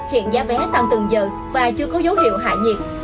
hiện giá vé tăng từng giờ và chưa có dấu hiệu hạ nhiệt